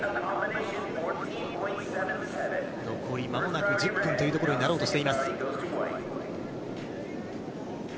残りまもなく１０分というところになろうとしています。